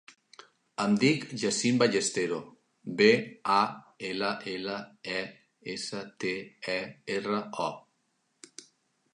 Em dic Yassine Ballestero: be, a, ela, ela, e, essa, te, e, erra, o.